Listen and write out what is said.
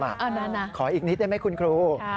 นานาคุณครูขออีกนิดได้ไหมคุณครู